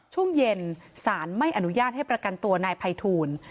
ช่วงเย็นสารไม่อนุญาตให้ประกันตัวนายภัยทูล